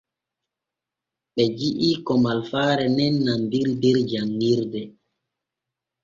Ɓe ji’i ko malfaare nen nandiri der janɲirde.